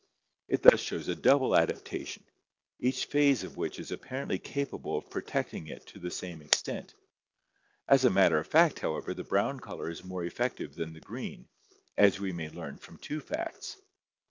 It thus shows a double adaptation, each phase of which is apparently capable of protecting it to the same extent; as a matter of fact, however, the brown color is more ef fective than the green, as we may learn from two facts.